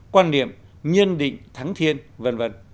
quan niệm nhân định thắng thiên v v